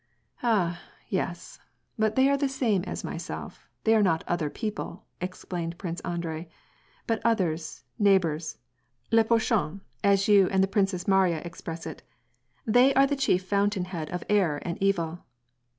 " Ah, yes, but they are the same as myself, they are not * other people'" explained Prince Anhrei, "but others, neigh bors, le prochain, as you and the Princess Mariya express it, — they are the chief fountain head of error and evil.